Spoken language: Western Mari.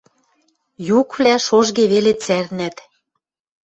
Юквлӓ шожге веле цӓрнӓт.